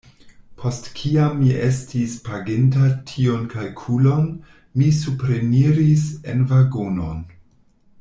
Post kiam mi estis paginta tiun kalkulon, mi supreniris en vagonon.